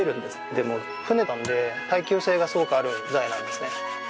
でも船なんで耐久性がすごくある材なんですね。